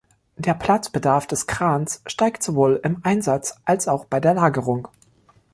Der Platzbedarf des Krans steigt sowohl im Einsatz als auch bei der Lagerung.